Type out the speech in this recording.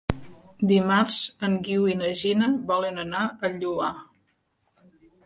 Dimarts en Guiu i na Gina volen anar al Lloar.